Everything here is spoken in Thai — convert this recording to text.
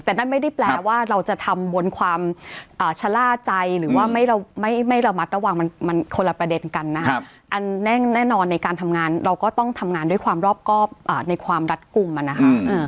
แต่นั่นไม่ได้แปลว่าเราจะทำบนความชะล่าใจหรือว่าไม่ระมัดระวังมันคนละประเด็นกันนะครับอันแน่นอนในการทำงานเราก็ต้องทำงานด้วยความรอบครอบในความรัดกลุ่มอ่ะนะคะ